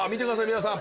皆さん